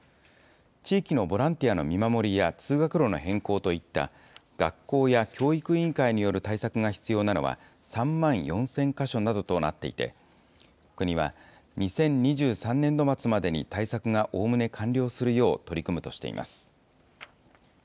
地域のボランティアの見守りや通学路の変更といった、学校や教育委員会による対策が必要なのは３万４０００か所などとなっていて、国は２０２３年度末までに対策がおおむね完了するよう取り組むとしています。